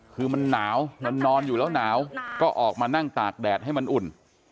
คือมันหนาวมันนอนอยู่แล้วหนาวก็ออกมานั่งตากแดดให้มันอุ่น